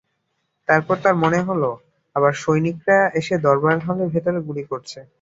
এরপর তাঁর মনে হলো, আবার সৈনিকেরা এসে দরবার হলের ভেতর গুলি করছে।